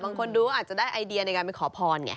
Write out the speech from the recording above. บางคนดูก็อาจจะได้ไอเดียในการไปขอพรไง